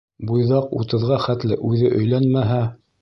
Буйҙаҡ утыҙға хәтле үҙе өйләнмәһә